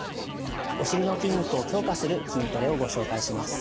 お尻の筋肉を強化する筋トレをご紹介します。